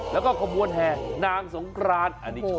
แล้วก็ขบวนแห่นางสงกราน